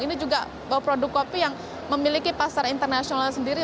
ini juga produk kopi yang memiliki pasar internasional sendiri